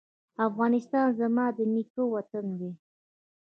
افغانستان زما د نیکه وطن دی؟